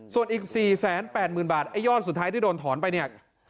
ส่วนอีก๔๘๐๐๐บาทไอ้ยอดสุดท้ายที่โดนถอนไปเนี่ย